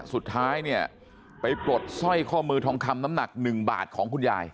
สุดท้ายเนี่ยไปปลดสร้อยข้อมือทองคำน้ำหนัก๑บาทของคุณยาย